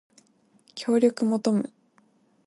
協力求む